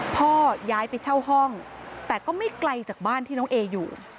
พ่อย้ายไปเช่าห้องแต่ก็ไม่ไกลจากบ้านที่น้องเออยู่